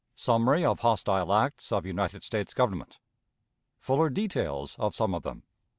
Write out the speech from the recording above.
Summary of Hostile Acts of United States Government. Fuller Details of some of them.